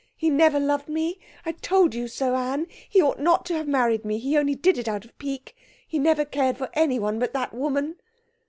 He never loved me; I told you so, Anne. He ought not to have married me. He only did it out of pique. He never cared for anyone but that woman.'